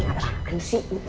ini gak apa apa sih